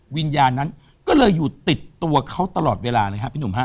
วิญญาณนั้นก็เลยอยู่ติดตัวเขาตลอดเวลาเลยครับพี่หนุ่มฮะ